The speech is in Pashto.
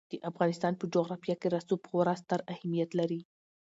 د افغانستان په جغرافیه کې رسوب خورا ستر اهمیت لري.